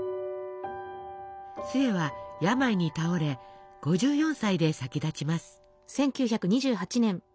壽衛は病に倒れ５４歳で先立ちます。